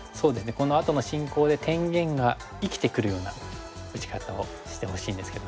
このあとの進行で天元が生きてくるような打ち方をしてほしいんですけどね。